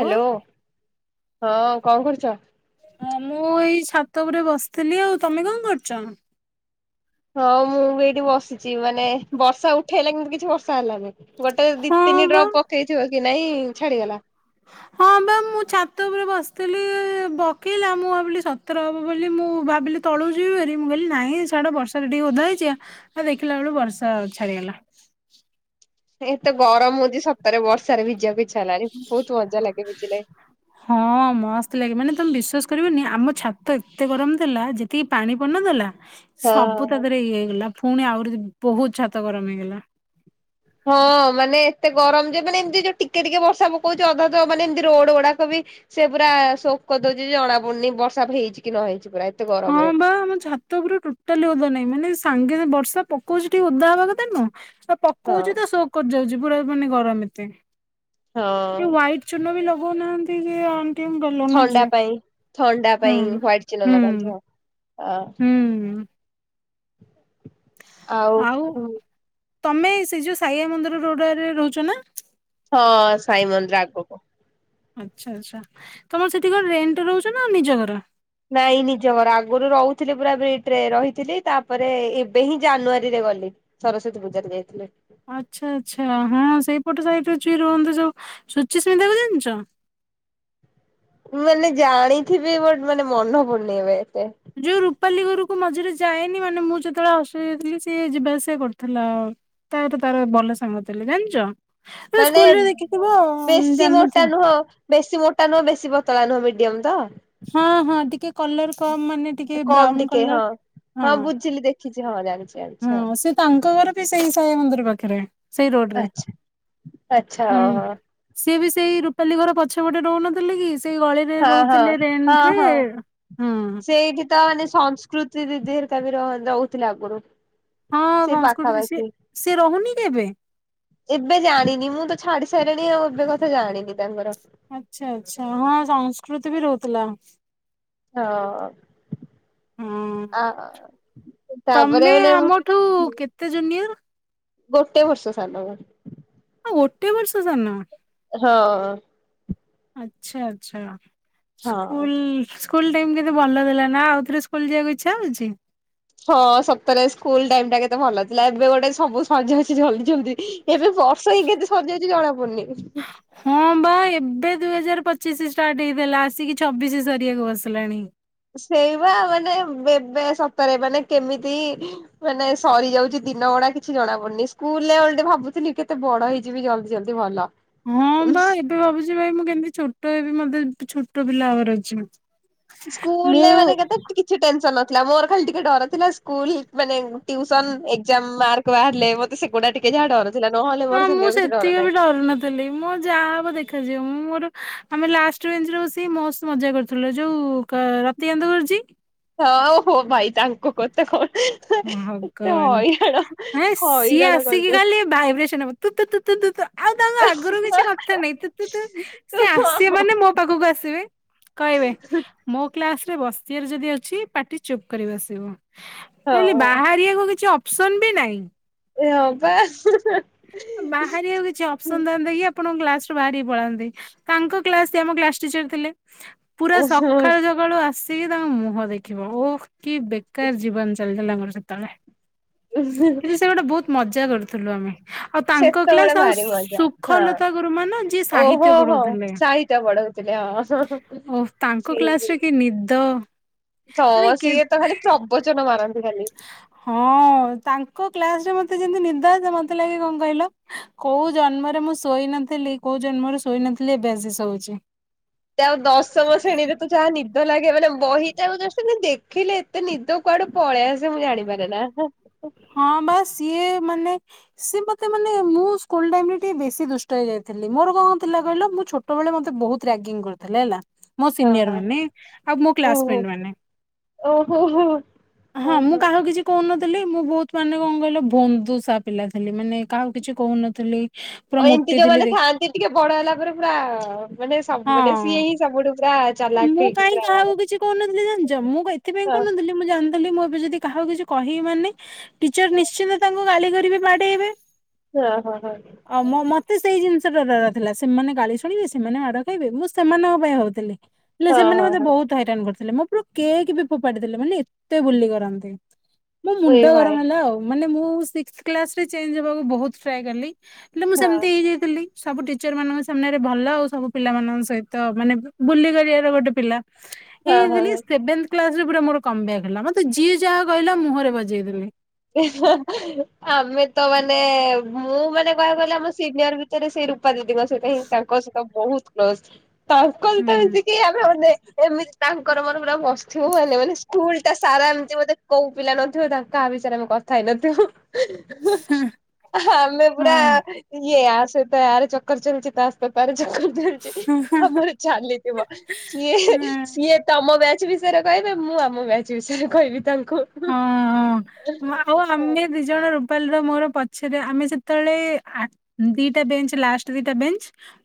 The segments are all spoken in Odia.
ହ୍ୟାଲୋ ହଁ କଣ କରୁଛ ହ ମୁଁ ଏଇ ଛାତ ଉପରେ ବସିଥିଲି ଆଉ ତମେ କଣ କରୁଛ ହଁ ମୁଁ ବି ଏଇଠି ବସିଛି ମାନେ ବର୍ଷା ଉଠେଇଲା କିନ୍ତୁ କିଛି ବର୍ଷା ହେଲାନି ଗୋଟେ ଦି ହଁ ତିନି ବା ଡ୍ରପ ପକେଇଥିବ କି ନାଇଁ ଛାଡିଗଲା। [inaudible] ପକେଇଲା ମୁଁ ଭାବିଲି ସତର ହବ ବୋଲି ମୁଁ ଭାବିଲି ତଳୁକୁ ଯିଵିଭାରୀ ମୁଁ କହିଲି ନହିଁ ସଟା ବର୍ଷା ତ ଟିକେ ଓଧା ହେଇଛି ଦେଖିଲା ବେଳୁ ବର୍ଷା ଛାଡିଗଲା। ଏତେ ଗରମ ହଉଛି ସଟରେ ବର୍ଷାରେ ଭିଜିବା ଇଛା [unintelligible] ହଁ ମସ୍ତଲାଗେ ମାନେ ତମ ବି ବିଶ୍ୱାସ କରିବନି ଆମ ଛାତ ଏତେ ଗରମ ଦେଲା ଯେତିକି ପାଣି ପନ୍ନ ଦେଲା ସବୁ ହଁ। ତକରେ ଇଏ ହେଇଗଲା ପୁଣି ଆହୁରି ବହୁତ ଛାତ ଗରମ ହେଇଗଲା ହଁ ମାନେ ଏତେ ଗରମ ଯେ ମାନେ ଏମିତି ଯୋଉ ଟିକେ ଟିକେ ବର୍ଷା ପକଉଛି ଅଧା ଅଧୁଆ ତ ମାନେ ଏମିତି ରୋଡ ଗୁଡାକ ବି ସେ ପୁରା ଶୋକ ଦଉଛି ଜଣା ପଡୁନି ବର୍ଷା ହେଇଛି କି ନ ହେଇଛି ପୁରା ଏତେ ହଁ ଗରମରେ। ବା ଆମ ଛାତ ଉପୁରେ ଟୋଟାଲି ଓଦା ନାହିଁ ମାନେ ସାଙ୍ଗେ ବ ବର୍ଷା ପକଉଛି ଟିକେ ଓଦାବା କଥା ନୁହଁ ତ ହଁ ପକଉଛି ତ ସୋ କରି ଯାଉଛି ପୁରା କୁହନି ଗରମ ଏତେ। ହଁ ଯୋଉ ହ୍ବାଇଟ୍ ଚୁନ ବି ଲ ଗଉ ନାହାନ୍ତି ଯେ ଆମ୍ ଥଣ୍ଡା ପାଇଁ ଥଣ୍ଡା ହୁଁ ପାଇଁ ହ୍ୱାଇଟ୍ ଚୁନ ହୁଁ ଲଗାନ୍ତି ଆଉ। ଅ, ହୁଁ ଆଉ [unintelligible] ତୋମେ ସେ ଯୋଉ ସାଇଆ ମନ୍ଦିର ରୋଡା ରେ ରହୁଛ ନା? ହଁ ସାଇ ମନ୍ଦିର ଆଗକୁ। ଆଚ୍ଛା ଆଚ୍ଛା ତୋମର ସେଠି କଣ ରେଣ୍ଟ ରହୁଛ ନା ନିଜ ଘର? ନାଇଁ ନିଜ ଘର ଆଗରୁ ରହୁଥିଲି ପୁରା ଭିତରେ ରହିଥିଲି। ତାପରେ ଏବେ ହିଁ ଜାନୁଆରୀରେ ଗଲି ସରସ୍ଵତୀ ପୂଜାରେ ଯାଇଥିଲେ। ଆଚ୍ଛା ଆଚ୍ଛା ହଁ ସେଇପଟ ସାଇଟ୍ ରେ ଚି ରୁହନ୍ତୁ ଯୋଉ ଶୁଚିସ୍ମିତା କୁ ଜାଣିିଚ? ମାନେ ଜାଣିଥିବି ବଟ୍ ମାନେ ମନ୍ହ ପଡୁନି ଏବେ। ଏତେ। ଯୋଉ ରୁ ପାଲିଘରୁକୁ ମଝିରେ ଯାଏନି, ମାନେ ମୁଁ ଯେତେବେଳେ ଅସୁବିଧା ଥିଲି ସିଏ ଯିବା ଆସିବା କରୁଥିଲା। ତା ହାତ ତାର ଭଲ ସାଙ୍ଗ ଥିଲେ ଜାଣିଚ? ମାନେ ବେଶୀ ମୋଟା ଜାଣିନଥିବ। ନୁହଁ, ବେଶୀ ମୋଟା ନୁହଁ ବେଶୀ ପ ତଳା ନୁ ମିଡିୟମ୍ ତ। ହଁ ହଁ ଟିକେ କଲର୍ କ ଏ କମ୍ ଟିକେ ହଁ ହଁ ବୁଝିଲି ଦେ କିଛି ହଁ ବା ଜାଣି ହଁ ସେ ତାଙ୍କ ଘର ବି ସେଇ ସାଇ ମନ୍ଦିର ପାଖରେ ସେଇ ରୋଡ୍ ରେ ଆଚ୍ଛା ଆଚ୍ଛା ହୁଁ। ଓହୋ। ସିଏ ବି ସେଇ ରୂପାଲି ଘର ପଛପଟେ ରହୁନଥିଲେ କି ସେ ଗଳିରେ ହଁ ହଁ ରହୁଥିଲେ ରେଣ୍ଟ ହଁ ରେ ହଁ ସେ ଦିଦି ହେରିକା ବି ର-ରହୁଥିଲେ ଆଗରୁ। ହଁ ସେ ସଂସ୍କୃତି ସିଏ ପାଖାପାଖି ସିଏ ରହୁନି କି ଏବେ? ଏବେ ଜାଣିନି ମୁଁ ତ ଛାଡି ସାରିଣି ଆଉ। ଏବେ କଥା ଜାଣିନି ତାଙ୍କର। ଆଚ୍ଛା ଆଚ୍ଛା ହଁ ସଂସ୍କୃତି ବି ରହୁଥୁଲା। ହଁ। ହଁ ଆ ତାପରେ ତୋମେ ମାନେ ଆମଠୁ କେତେ ଜୁନିୟର୍? ଗୋଟେ ବର୍ଷ ସାନ ମୁଁ। ଆ ଗୋଟେ ବର୍ଷ ସାନ। ହଁ। ଆଚ୍ଛା ଆଚ୍ଛା। ହଁ। ସ୍କୁଲ୍ ସୁ ସ୍କୁଲ୍ ଟାଇମ୍ କେତେ ଭଲ ଥିଲା ନା, ଆଉଥରେ ସ୍କୁଲ୍ ଯିବାକୁ ଇଚ୍ଛା ହଉଛି? ହଁ ସତରେ ସ୍କୁଲ୍ ଟାଇମ୍ ଟା କେତେ ଭଲ ଥିଲା ।ଏବେ ଗୋଟେ ସବୁ ସରିଯାଉଛି ଜଲଦି ଜଲଦି। ଏବେ ବର୍ଷ ହିଁ କେତେ ସରିଯାଉ ଜଣା ପଡୁନି। ହଁ ବା ଏବେ ଦୁଇ ହଜାର ପଚିଶ ପଚିଶ ଷ୍ଟାର୍ଟ ହେଇଥିଲା ଆସିକି ଛବିଶ ସରିବାକୁ ବସିଲାଣି। ସେଇବା ମାନେ ଏବେ ସତରେ ମାନେ କେମିତି ମାନେ ସରିଯାଉଛି ଦିନ ଗଡା। କିଛି ଜଣା ପଡୁନି ସ୍କୁଲ ଭାବୁଥିଲି, କେତେ ବଡ ହେଇଯିବ ଜଲ୍ଦି ଜଲଦି ଭଲ। ହଁ ବା ଏବେ ଭାବୁଛି ଭାଇ ମୁଁ କେମିତି ଛୋଟ ଏବେ ମତେ। ଛୋଟ ପିଲା ହେବାର ଅଛି। ମୁଁ ସ୍କୁଲରେ ମାନେ କେତେ କିଛି ଟେନସନ। ଥିଲା ମୋର ଖାଲି ଟିକେ ଡର ଥିଲା ସ୍କୁଲ ମାନେ ତିଉସନ ଏକ୍ସମ୍ ମାର୍କ ବାହାରିଲେ ମତେ ସେଗୁଡା ଟିକେ ଯାହା ଡର ଥିଲା ନହେଲେ ମୋର ହଁ ମୁଁ ସେମିତି ଆଉ କିଛି ଡର ସେତିକି ନାହିଁ। ବି ଡରୁ ନଥିଲି ମୋ ଯାହାବ ଦେଖାଯିବ ମୁଁ ମୋର ଆମେ ଲାଷ୍ଟ ବେଞ୍ଚରେ ବସିକି ମଷ୍ଟ ମଜା କରୁଥିଲ ଯୋଉ ରତି କାନ୍ଧ କରଛି। ହଁ ହଉ ହଉ ଭାଇ ତାଙ୍କୁ କଥା କନା ଭାଗବନେ ସିଏ ହଇରାଣ ଆସିକି କରିଦେ ଖାଲି ଭାଇବ୍ରେସନ ହବ। ତୁ ତୁ ତୁ ତୁ ତୁ ଆଉ ତାଉ ଆଗରୁ କିଛି ଦରକାର ନାଇ। ତୁ ତୁ ତୁ ତୁ ସି ଆସିବେ ମାନେ ମୋ ପାଖକୁ ଆସିବେ, କହିବେ ମୋ କ୍ଲାସ ବସିବାରେ ଯଦି ଅଛି ପାଟି ଚୁପ କରି ବସିବ। ହଁ ବାହାରିବାକୁ କିଛି ଅପସନ୍ ବି ନାହିଁ। ଏ ହଁ ବା। ବାହାରିବାକୁ କିଛି ଅପସନ୍ ଥାଆନ୍ତା କି? ଆପଣ କ୍ଲାସ ରୁ ବାହାରିକି ପଳାନ୍ତି ତାଙ୍କ କ୍ଲାସ ଆମ କ୍ଲାସ ଟିଚର ଥିଲେ। ପୁରା ସଖାଳୁ ସଖାଳୁ ଆସ। ସେ କିଏକି ତାଙ୍କ ମୁହଁ ଦେଖିବ ଓ କି ବେକାର ଜୀବନ ଚାଲିଥିଲାମ । [inaudible] [inaudible] ମଜା କରୁଥିଲୁ ଆମେ। ଆଉ ତାଙ୍କ କ୍ଲାସ ସେତେବେଳେ ଆଉ ଭାରି ସୁ ମଜା ହଁ ସୁଖଲତା ଗୁରୁମା ଯିଏ। ସାହିତ୍ୟ ଓହୋ ହୋ ପଢଉଥିଲେ ସାହିଟା ପଢଉଥିଲେ ହଁ ଓହ ତାଙ୍କ କ୍ଲାସରେ କି ନିଦ। ତ ମାନେ କେ ସିଏ ତ ଖାଲି ପ୍ରବଚନ ମାରନ୍ତି। ଖାଲି। ହଁ ଅ ତା କଉ କ୍ଲାସ ମତେ ଯେମିତି ନିଦ ଆସେ, ମତେ ଲାଗେ କଣ କହିଲ କୋଉ ଜନ୍ମରେ ମୁଁ ଶୋଇ ନଥିଲି, କୋଉ ଜନ୍ମରେ ଶୋଇ ନଥିଲି ଏବେ ଆସି ଶୋଉଛି। ଯାହାଉ ଦଶମ ଶ୍ରେଣୀରେ ତ ଯାଆନି ନିଦ ଲାଗେ, ମାନେ ବହି ଟା କୁ ଜଷ୍ଟ ଏମିତି ଦେଖିଲେ, ଏତେ ନିଦ କୁଆଡେ ପଳେଇ ଆସେ ମୁଁ ଜାଣିପାରେ ନା। ହଁ ବା ସିଏ। ମାନେ ସିଏ ମତେ ମାନେ ମୁଁ ସ୍କୁଲ ଟାଇମରେ ଟିକେ ବେଶୀ ଦୁଷ୍ଟ ହେଇ ଯାଇଥିଲି। ମୋର କଣ ଥିଲା କହିଲ ମୁଁ ଛୋଟବେଳେ ମତେ ବହୁତ ରାଗିଙ୍ଗ କରୁଥିଲେ ହେଲା। ମୋ ହଁ ସିନିୟର୍ ହଁ ହଁ। ମାନେ, ଆଉ ମୋ ଓହୋ କ୍ଲାସମେଟ୍ ମାନେ, ଓହୋ ହୋ ହଁ ମୁଁ କାହାକୁ କିଛି କହୁନଥିଲି। ତାହେଲେ ମୁଁ ବହୁତ୍। ମାନେ କଣ କହିଲ ବୁନ୍ଦୁସା ପିଲା ଥିଲି ମାନେ କାହାକୁ କିଛି କହୁନଥିଲି। ପୁରା ଓ ଏମତି ମୋଟି ଥିଲି ଯୋଉମାନେ ଦେଖ ଥାଆନ୍ତି ଟିକେ ବଡ ହେଲା ପରେ ପୁରା ମାନେ ସବୁ ମାନେ ସିଏ ହିଁ ସବୁଠୁ ପୁରା ହଁ ଚାଲାକ ମୁଁ ହେଇକି କାହିଁ ପୁରା କାହାକୁ ବାହାରେ କିଛି କହୁନଥିଲି ଜାଣିଛ ମୁଁ ଏଥିପାଇଁ ହଁ କହୁନଥିଲି ମୁଁ ଜାଣିଥିଲି ମୁଁ ଯଦି କାହାକୁ କିଛି କହିବି ମାନେ। ଟିଚର ନିଶ୍ଚିନ୍ତ ତାଙ୍କୁ ଗାଳି କରି। ମତେ ବି ବାଡ଼େଇବେ। ହଁ ହଁ ହଁ ଅ ମ ମତେ ଜିନିଷ। ମତେ ତ ଡର ଥିଲା ସେମାନେ ଗାଳି ଶୁଣିବେ ସେମାନେ ମାଡ଼ ଖାଇବେ ମୁଁ ସେମାନଙ୍କ ପାଇଁ ହଉଥିଲି। ହେଲେ ହଁ ସେମାନେ ହଁ ମତେ ହଁ ବହୁତ ହଇରାଣ କରିୁଥିଲେ ମୁଁ। ମୋ କେକ ବି ଫୋପାଡି ଦେଲେ ମାନେ ଏତେ ବୁଲି କରନ୍ତି। ମୁଁ ହଁ ଏ ମୁଣ୍ଡ ଭାଇ ଗରମ। ମାନେ ମୁଁ ସିକ୍ସ କ୍ଲାସ ରେ ଚେଞ୍ଜ ହବାକୁ ବହୁତ ଟ୍ରାଏ କଲି। ହେଲେ ମୁଁ ହଁ ସେମିତି ହେଇଯାଇଥିଲି। ସବୁ ଟିଚର ମାନଙ୍କ ସାମ୍ନାରେ ଭଲ ଆଉ ସବୁ ପିଲାମାନଙ୍କ ସହିତ ମାନେ ବୁ ବୁଲି କରିବାର ଗୋଟେ ପିଲା। ହଁ ଏଇ ହଁ ଦେଲି ହଁ। Seventh class. ରଜରେ ପୁରା ମୋର କମବ୍ୟାକ ହେଲା ମତେ ଯିଏ ଯାହା କହିଲ ମୁଁହରେ ବଜେଇଦେଲି। ହିଁ ହା ହା ଆମେ ତ ମାନେ ମୁଁ ମାନେ କହିବାକୁ ଗଲେ ଆମ ସିନିୟର ଭିତରେ ସେଇ ରୂପା ଦିଦିଙ୍କ ସହିତ ହିଁ ତାଙ୍କ ସହିତ ବହୁତ କ୍ଲୋଜ। ତାଙ୍କ ହୁଁ ଭିତରେ ଯେ କି ଆମେ ଅନେକ। ଏମିତି ତାଙ୍କର ମର ପୁରା ବସିଥିବୁ ମାନେ ମାନେ ସ୍କୁଲ ଟା ସାରା ଏମିତି ମତେ କୋଉ ପିଲା ନଥିବେ ତାଙ୍କ ଆ--। ଆମେ କଥା ହେଇନଥିବୁ। ହଁ ମେ ପୁରା ହଁ। ଇଏ ସେତ ଆରେ ଚକର ଚାଲିଛି ତା ସହିତରେ ଚକର ହଁ ଆମର ଚାଲିଥିବ ସିଏ ସିଏ ତମ ବ୍ୟାଚ ବିଷୟରେ କହିବେ ମୁଁ ଆମ ବ୍ଯାଚ ବିଷୟରେ କହିବି ତାଙ୍କୁ। ଙ୍କୁ। ହଁ ଆଉ ଆମେ ଦି ଜଣ ରୁ ରୂପାଲିର ମୋର ପଛରେ ଆମେ ଯେତେବେଳେ ଦିଟା ବେଞ୍ଚ ଲାଷ୍ଟ ଦିଟା ବେଞ୍ଚ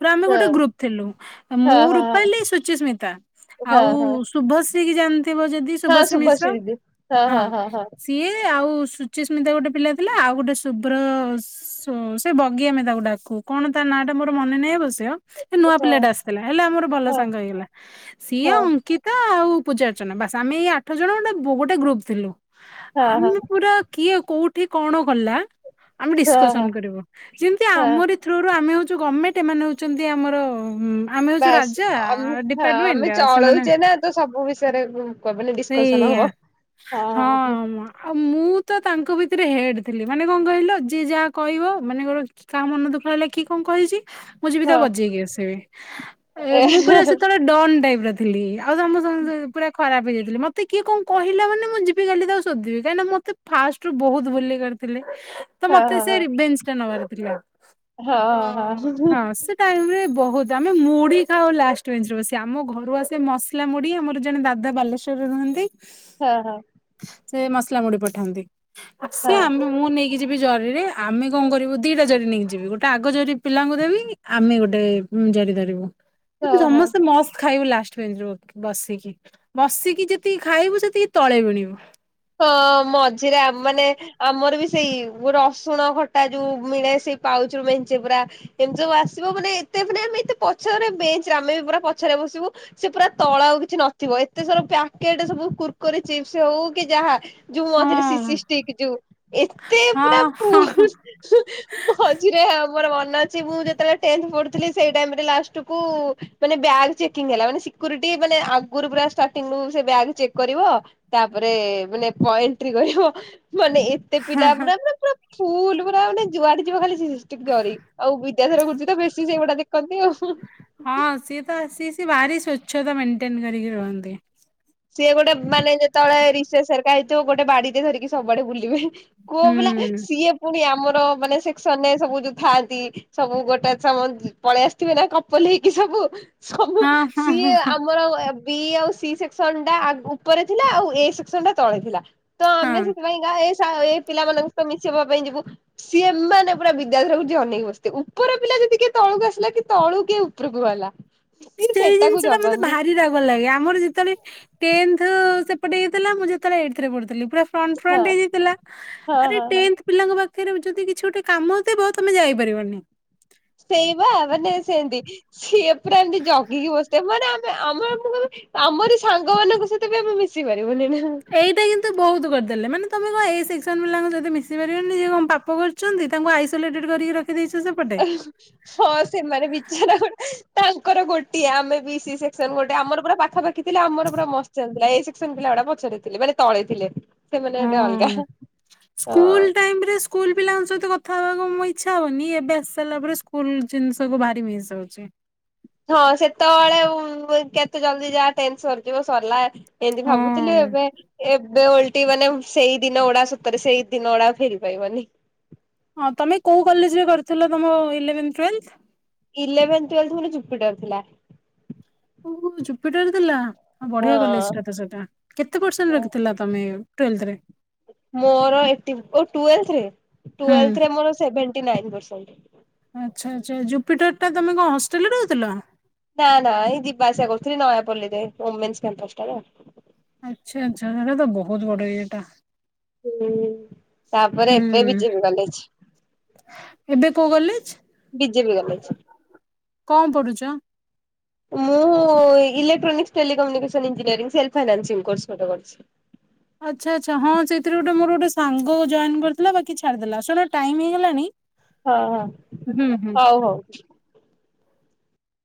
ପୁରା ଆମେ ହଁ ଗୋଟେ ଗ୍ରୁପ ଥିଲୁ ମୁଁ ହଁ ହଁ। ରୂପାଲିି ସୁଚି ସ୍ମିତା ହଁ ଆଉ ହଁ ଶୁଭଶ୍ରୀ ସେଠିକି ଯାଆନ୍ତି। ତିବ ଯଦି ଶୁଭଶ୍ରୀ ମିଶ୍ର। ହଁ ସିଏ ଆଉ ସୁଚିସ୍ମିତା ଗୋଟେ ପିଲା ଥିଲା ଆଉ ଗୋଟେ ଶୁଭ୍ର ସେ ବଗିଆମେ ତାକୁ ଡାକୁ କଣ ତା ନାଁ ଟା ମୋର ମନେ ନାହିଁ ଅବଶ୍ୟ। ନୂଆ ପିଲାଟା ଆସିଥିଲା ହେଲେ ଆମର ଭଲ ହଁ ସାଙ୍ଗ ହେଇଗଲା ହଁ ସିଏ ହଁ ଅଙ୍କିତା ଆଉ ପୂଜାର୍ଚ୍ଚନା ବାସ୍ ଆମେ ଏଇ ଆଠ ଜଣ ଗୋଟେ ଗୋଟେ ଗ୍ରୁପ ଥିଲୁ। ହଁ ହଁ ହଁ ଆମେ ପୁରା କିଏ କୋଉଠି କଣ ଗଲା? ଆମେ ହଁ ଡିସକସନ ହଁ କରିବୁ ଯେମିତି ହଁ ଆମର ଥ୍ରୁରୁ ଆମେ ହଉ ଯେଉଁ ଗଭର୍ଣ୍ଣମେଣ୍ଟ ଏମାନେ ହେଉଛନ୍ତି ଆମର ଆମେ ହଉଛୁ ବାସ୍ ରାଜା ହ ଡିପାର୍ଟମେଣ୍ଟ ଆମେ ଆଉ ସେମାନେ ଚଳଉଛେ ନା ତ ସବୁ ବିଷୟରେ କହିବ ଡିସକସନ ସେଇ ହବ। ହଁ ଆମ ଆଉ ମୁଁ ତ ତାଙ୍କ ଭିତରେ ହେଡ଼୍ ଥିଲି ମାନେ କଣ କହିଲ ଯିଏ ଯାହା କହିବ ମାନେ ଗୋଟେ କାହା ମନ ଦୁଃଖ ହେଲା କି କଣ କହିଛି? ମୁଁ ଯିବି ତା ହଁ ବଜେଇକି ଆସିବି ଏ ମୁଁ ଉପରେ ଆସ ତଳେ ଡନ ଟାଇପର ଥିଲି। [unintelligible] ଖରାପ ହେଇଯାଇଥିଲା ମତେ କିଏ କଣ କହିଲା ମାନେ? ମୁଁ ଯିବି ଖାଲି ତାକୁ ଶୋଦିବି କାହିଁକି ମତେ ଫାଷ୍ଟ ରୁ ବହୁତ ବୁଲି କରିଥିଲେ। ତ ହଁ ମତେ ସେ ହଁ ବେଞ୍ଚ ଟା ନେବାର ପ୍ରିୟ। ହଁ ହଁ ହଁ ତ ହଁ ସେ ଟାଇମ ରେ ବହୁ ବହୁତ ଆମେ ମୁଢି ଖାଉ ଲାଷ୍ଟ ବେରେ ବସି ଆମ ଘରୁ ଆସେ ମସଲା ମୁଢ ଆମର ଜଣେ ଦାଦା ବାଲେଶ୍ଵରରେ ରୁହନ୍ତି। ହଁ ହଁ। ସେ ମସଲା ମୁଡି ପଠାନ୍ତି। ଆସ ହଁ [unintelligible] ଆମେ ମୁଁ ନେଇକି [unintelligible] ଯିବି ଜରିରେ ଆମେ କଣ କରିବୁ ଦିଟା ଜରି ନେଇକି ଯିବି ଗୋଟେ ଆଗ ଜରି ପିଲାଙ୍କୁ ଦେବି ଆମେ ଗୋଟେ ଜରି ଧରିବୁ। ହଁ ହଁ ସମସ୍ତେ ମସ୍ତ ଖାଇବୁ ଲାଷ୍ଟ। [unintelligible] ବସିକି, ବସିକି ଯେତିକି ଖାଇବୁ ସେତିକି ତଳେ ବୁଣି ହ। ହଁ ମଝିରେ ଆମେମାନେ ଆମର ବି ସେଇ ରସୁଣ ଖଟା ଯୋଉ ମିଳେ ସେଇ ପାଉଚ ମେଞ୍ଚେ ପୁରା ଏମିତି ସବୁ ଆସିବ ମାନେ ଏତେ ମାନେ ଆମେ ଏତେ ପଛରେ ବେଞ୍ଚରେ ଆମେ ବି ପୁରା ପଛରେ ବସିବୁ ସେ ପୁରା ତଳ ଆଉ କିଛି ନଥିବ ଏତେ ସାରା ପ୍ୟାକେଟ ସବୁ କୁୁରକୁରି ଚିପ୍ସ ହଉ କି ଯାହା ଯୋଉ ହଁ ମଝିରେ [unintelligible] ଷ୍ଟିକ୍ ଯୋଉ ଏତେ ହଁ ପୁରାୁ ହଁ ହଁ। [unintelligible] ମଝିରେ ଆମର ମନେ ଅ ମୁଁ ଯେତେବେଳେ ତେନ୍ଥ ପଢୁଥିଲି ସେ ଟାଇମ୍ ରେ ଲାଷ୍ଟ କୁ ସେମାନେ ବ୍ୟାଗ୍ ଚେକିଙ୍ଗ ହେଲା ମାନେ ସେକ୍ୟୁରିଟୀ ମାନେ ଆଗରୁ ପୁରା ଷ୍ଟାର୍ଟିଂ ରୁ ସେ ବ୍ୟାଗ୍ ଚେକ୍ କରିବ ତାପ ତା ପରେ ମାନେ ପଏଣ୍ଟ୍ରି କରିବ। ମାନେ ଏତେ ହଁ ପିଲା ହଁ ପୁରା ପୁରା ଫୁଲୁ ପୁରାମାନେ ଯୁଆଡ ଯିବ ଖାଲି [unintelligible] ଷ୍ଟିକ୍ ଜରି ଆଉ ବିଦ୍ୟାଧର ଗୁରୁଜୀ ତ ବେଶୀ ସେଇଗୁଡା ଦେଖନ୍ତି ଆଉ । ହଁ ସିଏ ତ ଆସି ସେ ଭାରି ସ୍ୱଚ୍ଛତା ମେଣ୍ଟେନ କରିକି ରୁହନ୍ତି। ସିଏ ଗୋଟେ ମାନେ ଯେତେବେଳେ ରିସେସ୍ [unintelligible] ହେଇତିବ ଗୋଟେ ବାଡିରେ ଧରିକି ସବୁଆଡେ ବୁଲିବେ। କୁହ ହୁଁ ପିଲା ସିଏ ପୁଣି ଆମର। ମାନେ ସେକ୍ସନରେ ସବୁ ଯୋଉ ଥାନ୍ତି ସବୁ ଗୋଟେ ସମ ପଳେଇ ଆସିଥିବେ ନା କପଲ ହେଇକି ସବୁ ସବୁ ହଁ ହଁ ହଁ ସିଏ ହଁ ଆମର ବି ଆଉ ସି ସେ ସେକ୍ସନ ଟା ଉପରେ ଥିଲା ଆଉ ଏ ସେକ୍ସନ ଟା ତଳେ ଥିଲା। ତ ଆମେ ହଁ। ସେଥିପାଇଁ କା ହାଏସ ଏ ପିଲାମାନାନଙ୍କ ସହିତ ମିଶେଇବା ପାଇଁ ଯିବୁ ସିଏ ମାନେ ପୁରା ବିଦ୍ୟାଧର ଗୁରୁଜୀ ଅନେଇକି ବସିଥିବେ ଉପର ପିଲା ଯଦି କିଏ ତଳୁକୁ ଆସିଲା କି ତଳକୁ କିଏ ଉପରକୁ ଗଲା। ସିଏ ସେଇ ସେଟାକୁ ଜିନିଷ ଟା ମତେ ଜଗନ୍ତି ଭାରି ରାଗ ଲାଗେ ଆମର ଯେତେବେଳେ ଟେନ୍ଥ ସେପଟେ ହେଇଥିଲା ମୁଁ ଯେତେବେଳେ ଏଇଟଥ୍ ରେ ପଢୁଥିଲି। ପୁରା ଫ୍ରଣ୍ଟ ହଁ ଫ୍ରଣ୍ଟ ହେଇଯାଇ ଥିଲା ହଁ ଆରେ ହଁ ହଁ। ତେଁଥ ପିଲାଙ୍କ ପାଖକୁ [unintelligible] ଯଦି କିଛି ଗୋଟେ କାମଥିବ ତମେ ଯାଇପାରିବନି। ସେଇ ବା ମାନେ ସେମିତି ସିଏ ପୁରା ଏମିତି ଜଗିକି ବସିଥିବେ ମାନେ ଆମେ ଆମ ଆମରି ସାଙ୍ଗ ମାନଙ୍କ ସହିତ ବି ଆମେ ମିଶିବାନି ମାନେ ଏଟା ଏଇଟା କିନ୍ତୁ ବହୁତ କରିଦେଲେ ମାନେ ତମେ କଣ ଏ ସେକ୍ସନ ପିଲାଙ୍କ ସହିତ ମିଶିପାରିବାନି ଯେ ସେ କଣ ପାପ କରିଛନ୍ତି ତାଙ୍କୁ ଆଇସିୟୁଲେଟେଡ କରିକି ରଖି ହଁ ସେମାନେେ ବିଚାର ଗୋ ତାଙ୍କର ଗୋଟିଏ ଆମେ ବି ସି ସେକ୍ସନ ଗୋଟେ ଆମର ପୁରା ପାଖା ପାାଖି ଥିଲେ ଆମର ପୁରା ମସ୍ତ୍ ଚାଲିଥିଲା ଏ ସେକ୍ସନ ପିଲା ଗୁଡା ପଛରେ ଥିଲେ ମାନେ ତଳେ ଥିଲେ। ସେମାନେ ହୁଁ ଗୋଟେ ଅଲଗା ହଁ। ସ୍କୁଲ ଟାଇମରେ ସ୍କୁଲ ପିଲାଙ୍କ ସହିତ କଥା ହବାକୁ ମୁଁ ଇଛା ହଉନି ଏବେ ଆସି ସାରିଲା ପରେ ସ୍କୁଲ ଜିନିଷ କୁ ଭାରି ମିସ୍ ହୋଉଛି। ହଁ ସେତେବେଳେ କେତେ ଜଲଦି ଯାଏ ଟେନସନ୍ ଯିବ ସରିଲା ଏମତି ହଁ। ଭାବୁଥିଲି ଏବେ ଏବେ ଓଲଟା ମାନେ ସେଇ ଦିନ ଓଡା ସତରେ ସେଇ ଦିନ ଓଡା ଫେରି ପାଇବନି ହଁ ତମେ କୋଉ କଲେଜରେ କରିଥିଲ ତମ ଇଲେଭେନ୍ ଟଲ ଇଲେଭେନ୍ ଟଲ ମୋାନେ ଚୁପିଟାର ଥିଲା। ଓ ଜୁପିଟର ଥିଲା। ହଁ ବଢିଆ କଲେଜ ଟା ତ ସେଟା କେତେ ପରସେଣ୍ଟ ରଖିଥିଲା ତମେ ଟ୍ୱେଥ ରେ ମୋର ଏଟି ଫୋର୍ ଓ ହୁଁ ତ୍ୱେନ୍ଥ ରେ ମୋର ସେଭେନ୍ତି ନାଇନ୍ ପ ପରସେଣ୍ଟ ଆଚଛା ଆଚ୍ଛା ଜୁପିଟର ଟା ତମେ କଣ ହଷ୍ଟେଲ ରେ ରହୁଥିଲ। ନା ନା ଏଇ ଦିବା ଆସିବା କରଥିଲି ନୟାପଲିରେ ଓମେନ୍ସ କ୍ୟାମ୍ପସଟାରେ ଆଉ। ଆଛା ଆଛା ହେଟା ତ ବହୁତ ବଡ ଇଏଟା ହ ତାପରେ ହୁଁ ଏବେ ବି ଚିମଗଲେଛି ଏବେ କୋଉ କଲେଜ ବିଜେପି ଗଲେଛି କଣ ପଢୁଛ? ମୁଁ electronics telecommunication engineering self finance course ଗୋଟେ କରିଛି। ଆଚ୍ଛା ଆଚ୍ଛା ହଁ ସେଇଥିରେ ଗୋଟେ ମୋର ଗୋଟେ ସାଙ୍ଗ ଜଏନ କରିଥିଲା ବାକି ଛାଡିଦଲା ଶୁିଲ ଟାଇ ହେଇଗଲାଣି ହଁ ହଁ ହୁଁ ହୁଁ ହଉ ହଉ।